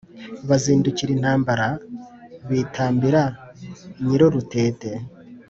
Bazindukira intambara Bitambira nyiru rutete